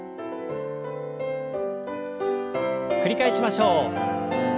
繰り返しましょう。